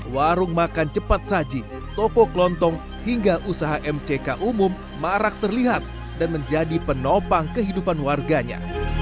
warung makan cepat saji toko kelontong hingga usaha mck umum marak terlihat dan menjadi penopang kehidupan warganya